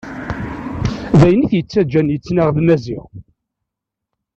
D ayen it-yettaǧǧan yettnaɣ d Maziɣ.